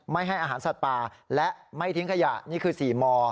ให้อาหารสัตว์ป่าและไม่ทิ้งขยะนี่คือ๔ม